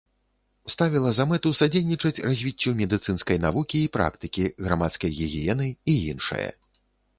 Ставіла за мэту садзейнічаць развіццю медыцынскай навукі і практыкі, грамадскай гігіены і іншае.